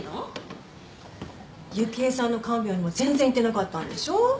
幸恵さんの看病にも全然行ってなかったんでしょ？